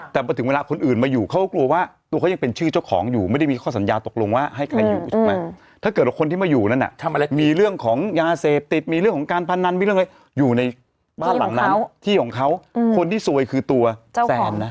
แต่พอถึงเวลาคนอื่นมาอยู่เขาก็กลัวว่าตัวเขายังเป็นชื่อเจ้าของอยู่ไม่ได้มีข้อสัญญาตกลงว่าให้ใครอยู่ใช่ไหมถ้าเกิดว่าคนที่มาอยู่นั้นมีเรื่องของยาเสพติดมีเรื่องของการพนันมีเรื่องอะไรอยู่ในบ้านหลังนั้นที่ของเขาคนที่ซวยคือตัวแซนนะ